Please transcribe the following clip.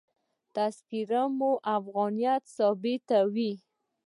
تذکره مو افغانیت ثابتوي.